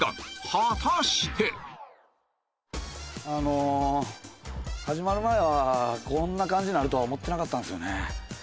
あの始まる前はこんな感じになるとは思ってなかったんですよね。